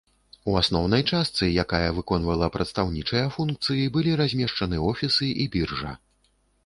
У асноўнай частцы, якая выконвала прадстаўнічыя функцыі, былі размешчаны офісы і біржа.